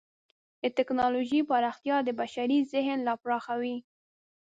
د ټکنالوجۍ پراختیا د بشري ذهن لا پراخوي.